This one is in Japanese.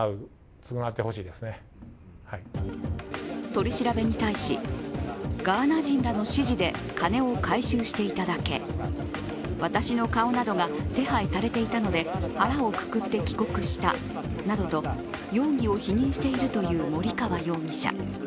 取り調べに対しガーナ人らの指示で金を回収していただけ、私の顔などが手配されていたので腹をくくって帰国したなどと容疑を否認しているという森川容疑者。